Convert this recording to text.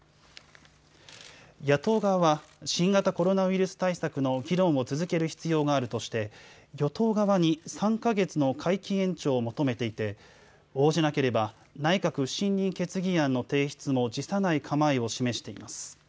野党側は新型コロナウイルス対策の議論を続ける必要があるとして与党側に３か月の会期延長を求めていて応じなければ内閣不信任決議案の提出も辞さない構えを示しています。